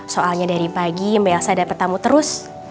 soalnya dari pagi mba elsa ada pertamu terus